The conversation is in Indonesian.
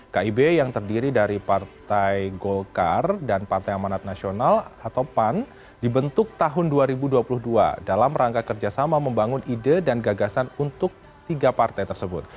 kib yang terdiri dari partai golkar dan partai amanat nasional atau pan dibentuk tahun dua ribu dua puluh dua dalam rangka kerjasama membangun ide dan gagasan untuk tiga partai tersebut